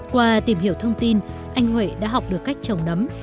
qua tìm hiểu thông tin anh huệ đã học được cách trồng nấm